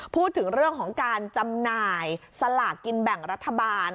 พูดถึงเรื่องของการจำหน่ายสลากกินแบ่งรัฐบาล